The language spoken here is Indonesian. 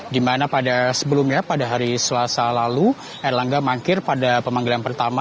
di mana pada sebelumnya pada hari selasa lalu erlangga mangkir pada pemanggilan pertama